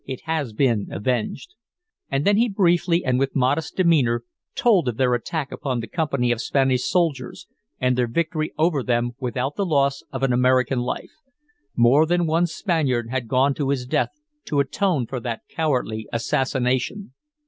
"It has been avenged." And then he briefly and with modest demeanor told of their attack upon the company of Spanish soldiers, and their victory over them without the loss of an American life. More than one Spaniard had gone to his death to atone for that cowardly assassination.